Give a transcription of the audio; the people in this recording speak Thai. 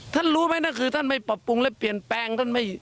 ท่านรู้ไหมท่านไม่ปรับปรุงและเปลี่ยนแปลง